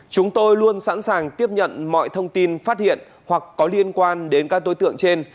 chúng tôi luôn sẵn sàng tiếp nhận mọi thông tin phát hiện hoặc có liên quan đến các đối tượng trên